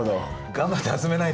頑張って集めます。